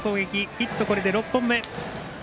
ヒットこれで６本目。